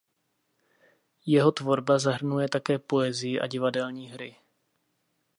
Jeho tvorba zahrnuje také poezii a divadelní hry.